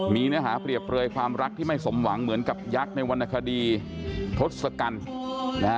มีเนื้อหาเปรียบเปลยความรักที่ไม่สมหวังเหมือนกับยักษ์ในวรรณคดีทศกัณฐ์นะฮะ